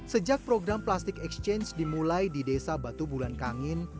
sejak program plastik exchange dimulai di desa batu bulan kangin